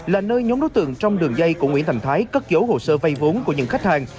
là nơi nhóm đối tượng trong đường dây của nguyễn thành thái cất dấu hồ sơ vay vốn của những khách hàng